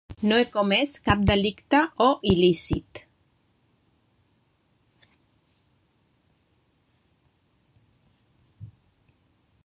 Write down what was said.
No he comès cap delicte o il·lícit.